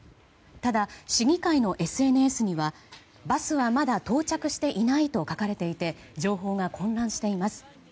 ただ市議会のＳＮＳにはバスはまだ到着していないと書かれていて情報が混乱しています。